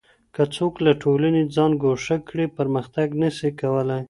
که څوک له ټولني ځان ګوښه کړي پرمختګ نه سي کولای.